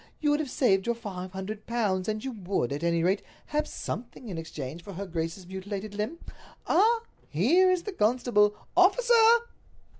You would have saved your five hundred pounds, and you would, at any rate, have something in exchange for her grace's mutilated limb. Ah, here is the constable! Officer!"